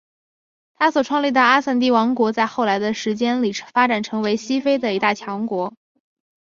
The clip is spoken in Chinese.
他所创立的阿散蒂王国在后来的时间里发展成为西非的一大强国。